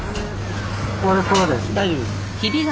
大丈夫です。